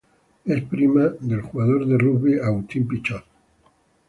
Es prima del jugador de rugby Agustín Pichot.